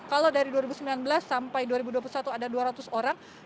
kalau dari dua ribu sembilan belas sampai dua ribu dua puluh satu ada dua ratus orang